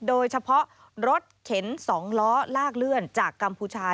โดยเฉพาะรถเข็น๒ล้อลากเลื่อนจากกัมพูชา